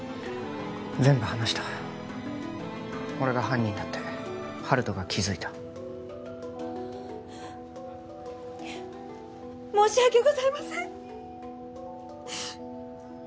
全部話した俺が犯人だって温人が気づいた申し訳ございません！